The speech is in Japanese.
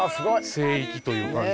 聖域という感じ。